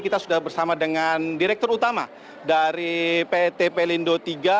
kita sudah bersama dengan direktur utama dari pt pelindo iii